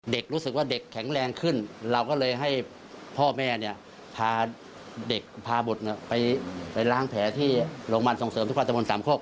เด็กรู้สึกว่าเด็กแข็งแรงขึ้นเราก็เลยให้พ่อแม่เนี่ยพาเด็กพาบุตรไปล้างแผลที่โรงพยาบาลส่งเสริมสุขภาพตะบนสามโคก